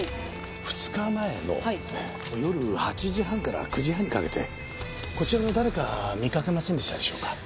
２日前の夜８時半から９時半にかけてこちらの誰か見かけませんでしたでしょうか？